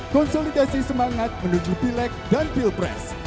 konsolidasi semangat menuju pilek dan pilpres